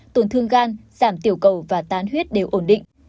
tổn thương gan giảm tiểu cầu và tán huyết đều ổn định